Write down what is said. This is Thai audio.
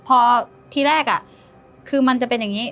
พอทีแรกคือมันจะเป็นอย่างนี้